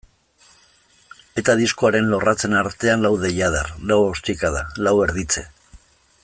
Eta diskoaren lorratzen artean lau deiadar, lau ostikada, lau erditze.